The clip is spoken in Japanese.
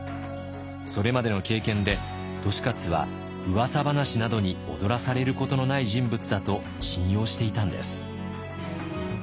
それまでの経験で利勝はうわさ話などに踊らされることのない人物だと信用していたんです。